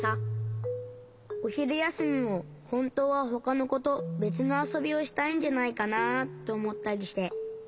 おひるやすみもほんとうはほかのことべつのあそびをしたいんじゃないかなとおもったりして。